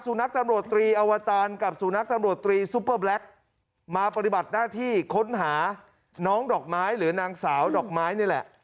นักตำรวจตรีอวตารกับสุนัขตำรวจตรีซุปเปอร์แบล็คมาปฏิบัติหน้าที่ค้นหาน้องดอกไม้หรือนางสาวดอกไม้นี่แหละ